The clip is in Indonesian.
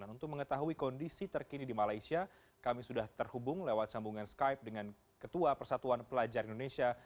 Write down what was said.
dan untuk mengetahui kondisi terkini di malaysia kami sudah terhubung lewat sambungan skype dengan ketua persatuan pelajar indonesia